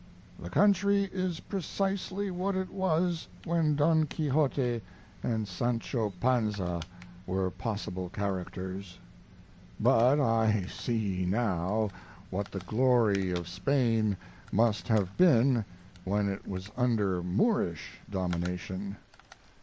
The country is precisely what it was when Don Quixote and Sancho Panza were possible characters. But I see now what the glory of Spain must have been when it was under Moorish domination.